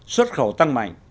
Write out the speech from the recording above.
xuất khẩu tăng mạnh